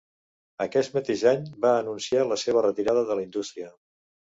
Aquest mateix any va anunciar la seva retirada de la indústria.